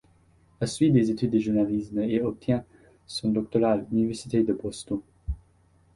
Elle suit des études de journalisme et obtient son doctorat à l'Université de Boston.